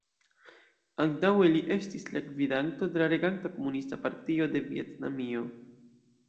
Antaŭe li estis la gvidanto de la reganta Komunista Partio de Vjetnamio.